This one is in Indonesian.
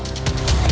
mau gue buang